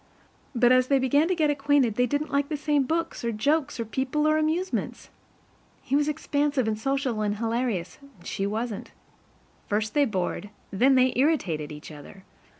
But as they began to get acquainted, they didn't like the same books or jokes or people or amusements. He was expansive and social and hilarious, and she wasn't. First they bored, and then they irritated, each other.